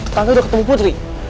tante udah ketemu putri